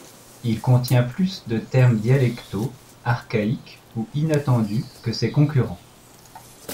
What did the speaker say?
Il contient plus de termes dialectaux, archaïques ou inattendus que ses concurrents.